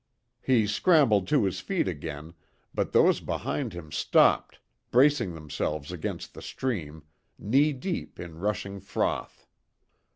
He scrambled to his feet again, but those behind him stopped, bracing themselves against the stream, knee deep in rushing froth.